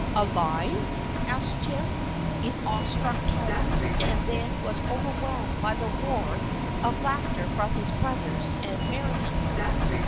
" Alive?" asked Jim, in awestruck tones, and then was overwhelmed by the roar of laughter from his brothers and Merriam.